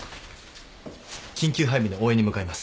緊急配備の応援に向かいます。